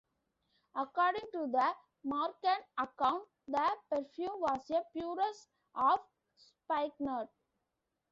According to the Markan account, the perfume was the purest of spikenard.